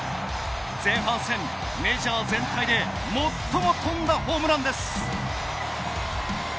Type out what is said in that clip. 前半戦メジャー全体で最も飛んだホームランです。